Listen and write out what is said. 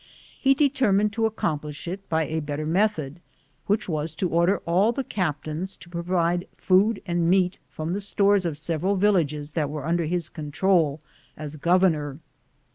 He determined to accom plish it by a better method, which was to order all the captains to provide food and meat from the stores of several villages that were under his control as governor.